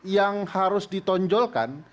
yang harus ditonjolkan